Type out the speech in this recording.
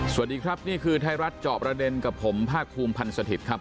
สวัสดีครับนี่คือไทยรัฐเจาะประเด็นกับผมภาคภูมิพันธ์สถิตย์ครับ